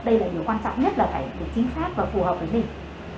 đây là điều quan trọng nhất là phải chính xác và phù hợp với mình